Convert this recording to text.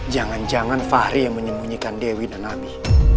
jangan jangan fahri yang menyemunyikan dewi dan abi